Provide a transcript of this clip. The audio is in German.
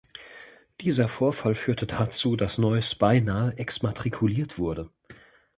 Dieser Vorfall führte dazu, dass Noyce beinahe exmatrikuliert wurde.